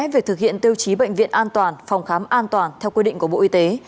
về thực hiện tiêu chí bệnh viện an toàn phòng khám an toàn theo quy định của bộ y tế